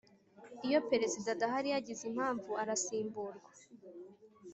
Iyo Perezida adahari yagize impamvu arasimburwa